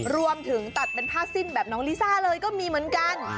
รวมถึงตัดเป็นผ้าสิ้นแบบน้องลิซ่าเลยก็มีเหมือนกัน